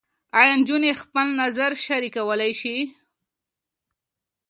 ایا نجونې خپل نظر شریکولی شي؟